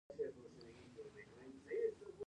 هلته د چینوت پر موندنو هم نیوکه شوې ده.